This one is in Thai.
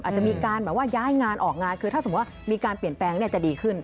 อาจจะมีการแบบว่าย้ายงานออกงานคือถ้าสมมุติว่ามีการเปลี่ยนแปลงจะดีขึ้น